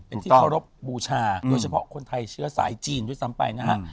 เป็นที่เคารพบูชาโดยเฉพาะคนไทยเชื้อสายจีนด้วยซ้ำไปนะฮะ